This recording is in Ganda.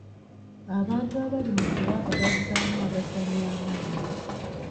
Abantu abali mu kulaba bazzaamu abazannyi amaanyi.